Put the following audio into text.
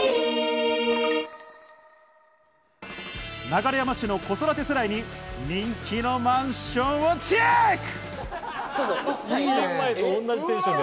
流山市の子育て世代に人気のマンションをチェック！